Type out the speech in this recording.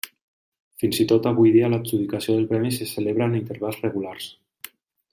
Fins i tot avui dia l'adjudicació del premi se celebra en intervals regulars.